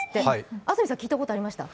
安住さん聞いたことありました？